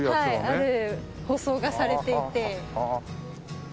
ある舗装がされていて。